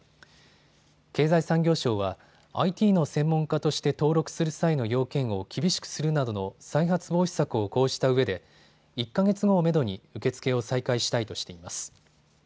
経済産業省はＩＴの専門家として登録する際の要件を厳しくするなどの再発防止策を講じたうえで１か月をめどに受け付けを再開したいとしています。